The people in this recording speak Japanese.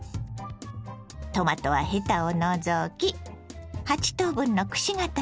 トマトはヘタを除き８等分のくし形に切ります。